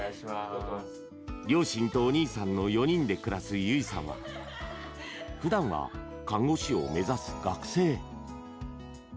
両親とお兄さんの４人で暮らす結さんはふだんは、看護師を目指す学生。